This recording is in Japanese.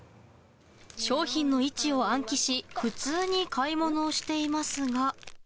商品の位置を暗記し普通に買い物していますが。